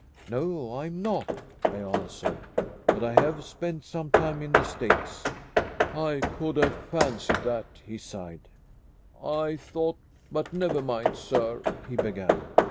"No, I am not," I answered; "but I have spent some time in the States." I could have fancied that he sighed. "I thought but never mind, sir," he began.